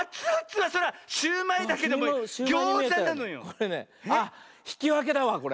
これねあっひきわけだわこれ。